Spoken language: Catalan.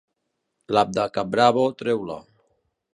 L'app de Caprabo, treu-la.